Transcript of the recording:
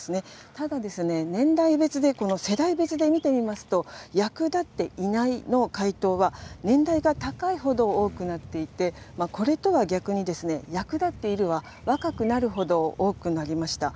ただ、年代別で、この世代別で見てみますと、役立っていないの回答は、年代が高いほど多くなっていて、これとは逆にですね、役立っているは、若くなるほど多くなりました。